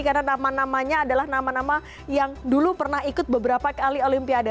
karena nama namanya adalah nama nama yang dulu pernah ikut beberapa kali olimpiade